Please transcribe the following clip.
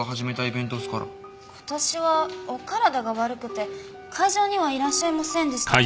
今年はお体が悪くて会場にはいらっしゃいませんでしたけど。